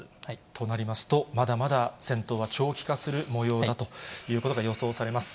となりますと、まだまだ戦闘は長期化するもようだということが予想されます。